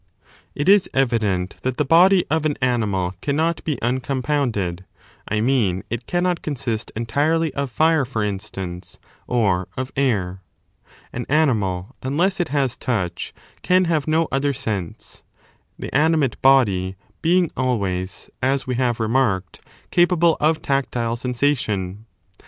It is evident that the body of an animal cannot be uncom A mixture pounded; I mean, it cannot consist entirely of fire, for of Several instance, or of air. An animal, unless it has touch, can pee ae, have no other sense, the animate body being always, as mal body. we have remarked, capable of tactile sensation.